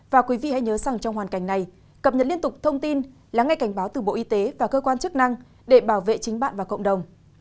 và quý vị hãy nhớ rằng trong hoàn cảnh này cập nhật liên tục thông tin lắng nghe cảnh báo từ bộ y tế và cơ quan chức năng để bảo vệ chính bạn và cộng đồng